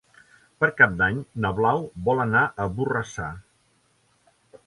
Per Cap d'Any na Blau vol anar a Borrassà.